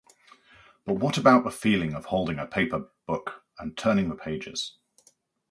But what about the feeling of holding a paper book and turning the pages?